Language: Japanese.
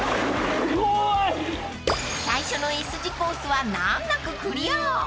［最初のＳ字コースは難なくクリア］